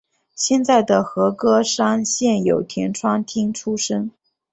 现在的和歌山县有田川町出身。